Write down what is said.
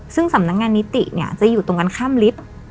ซึ่งสำนักงานนิติเนี่ยจะอยู่ตรงกันข้ามลิฟต์